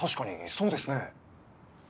そうですね。